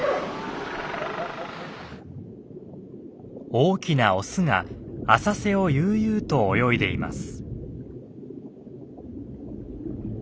大きなオスが浅瀬を悠々と泳いでいます。